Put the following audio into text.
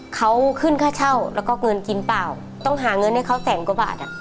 เขาขึ้นค่าเช่าแล้วก็เงินกินเปล่าต้องหาเงินให้เขาแสนกว่าบาทอ่ะ